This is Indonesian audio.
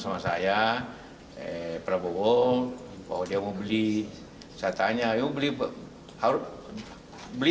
lama itu fingerset nya ini